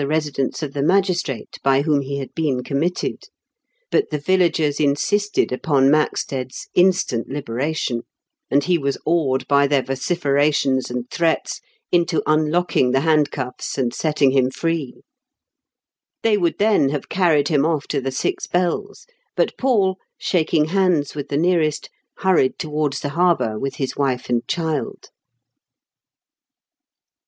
residence of the magistrate by whom he had been committed; but the villagers insisted upon Maxted's instant liberation, and he was awed by their vociferations and threats into unlocking the handcuffs and setting him free. They would then have carried him off to The Six Bells, but Paul, shaking hands with the nearest, hurried towards the harbour with his wife and child.